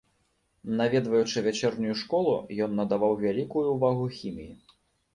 Наведваючы вячэрнюю школу, ён надаваў вялікую ўвагу хіміі.